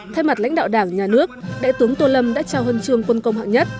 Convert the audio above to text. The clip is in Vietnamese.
thay mặt lãnh đạo đảng nhà nước đại tướng tô lâm đã trao hân trường quân công hạng nhất